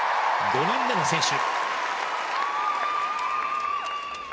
５人目の選手。